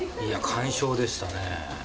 いや、完勝でしたね。